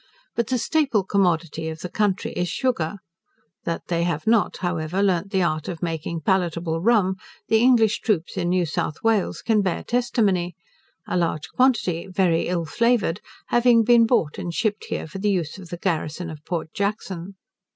But the staple commodity of the country is sugar. That they have not, however, learnt the art of making palatable rum, the English troops in New South Wales can bear testimony; a large quantity, very ill flavoured, having been bought and shipped here for the use of the garrison of Port Jackson.